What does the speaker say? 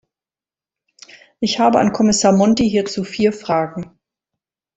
Ich habe an Kommissar Monti hierzu vier Fragen.